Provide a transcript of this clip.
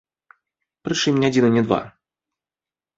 Прычым не адзін і не два.